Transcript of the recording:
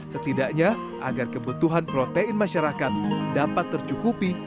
setidaknya agar kebutuhan protein masyarakat dapat tercukupi